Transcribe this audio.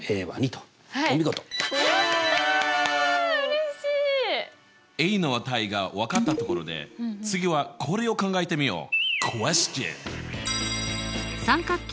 うれしい！の値が分かったところで次はこれを考えてみよう！